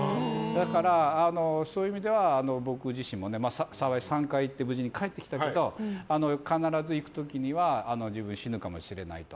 だから、そういう意味では僕自身も３回行って無事に帰ってきたけど必ず行く時には自分死ぬかもしれないと。